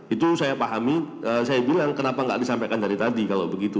itu saya pahami saya bilang kenapa nggak disampaikan dari tadi kalau begitu